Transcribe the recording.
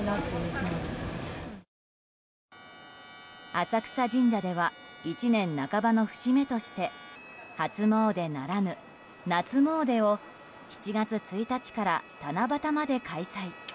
浅草神社では１年半ばの節目として初詣ならぬ夏詣を７月１日から七夕まで開催。